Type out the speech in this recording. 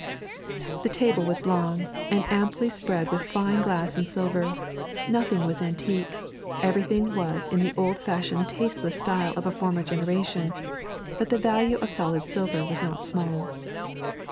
The table was long, and amply spread with fine glass and silver; nothing was antique, everything was in the old fashioned tasteless style of a former generation, but the value of solid silver was not small.